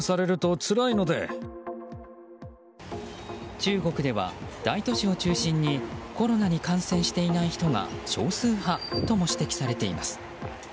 中国では大都市を中心にコロナに感染していない人が少数派とも指摘されています。